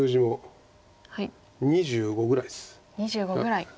２５ぐらいです。